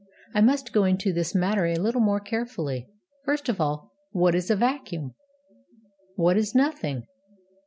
I must go into this matter a little more carefully. First of all, what is a vacuum? What is Nothing?